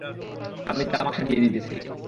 আমি তামাক সাজিয়ে দিতেছি।